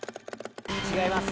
違います。